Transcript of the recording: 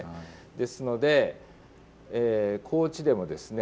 ですので高知でもですね